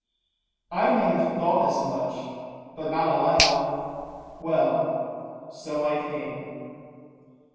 "I may have thought as much, but not aloud." "Well, so I came."